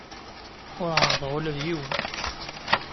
Ur ɛerrḍeɣ ula d yiwen.